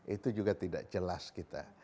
itu juga tidak jelas kita